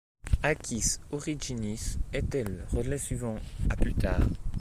Aquis Originis était le relais suivant, à plus tard.